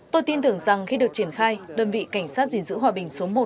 tôi tin tưởng rằng khi được triển khai đơn vị cảnh sát gìn giữ hòa bình số một